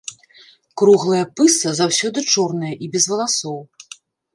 Круглая пыса заўсёды чорная і без валасоў.